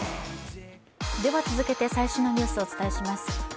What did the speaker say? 続けて最新のニュースをお伝えします。